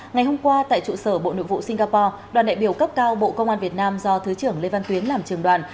ngày hôm qua tại trụ sở bộ nội vụ singapore đoàn đại biểu cấp cao bộ công an việt nam do thứ trưởng lê văn tuyến làm trường đoàn